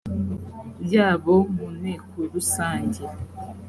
yabo mu nteko rusange